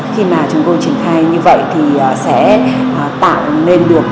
khi mà chúng tôi triển khai như vậy thì sẽ tạo nên được